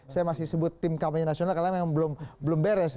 saya masih sebut tim kampanye nasional karena memang belum beres